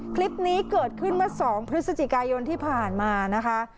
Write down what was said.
คลิปนี้เกิดขึ้นเมื่อ๒พฤศจิกายนที่ผ่านมานะคะ